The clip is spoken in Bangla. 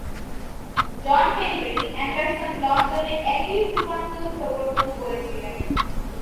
জন হেনরি অ্যান্ডারসন লন্ডনে একই রূপান্তর প্রবর্তন করেছিলেন।